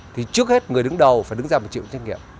thì trước hết người đứng đầu phải đứng ra phải chịu trách nhiệm